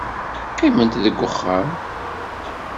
Qqimemt deg uxxam.